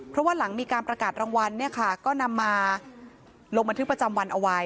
เพราะว่าหลังมีการประกาศรางวัลเนี่ยค่ะก็นำมาลงบันทึกประจำวันเอาไว้